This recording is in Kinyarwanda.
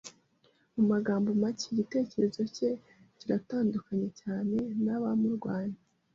Mu magambo make, igitekerezo cye kiratandukanye cyane nabamurwanya.